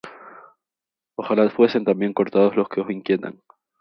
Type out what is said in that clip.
Ojalá fuesen también cortados los que os inquietan.